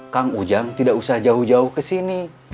kang ujang tidak usah jauh jauh kesini